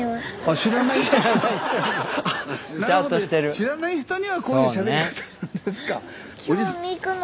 知らない人にはこういうしゃべり方なんですか。